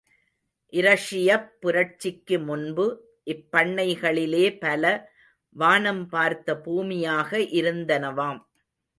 இரஷியப் புரட்சிக்கு முன்பு, இப்பண்ணைகளிலே பல, வானம் பார்த்த பூமியாக இருந்தனவாம்.